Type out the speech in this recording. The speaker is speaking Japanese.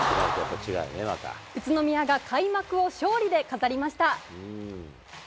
宇都宮が開幕を勝利で飾りました。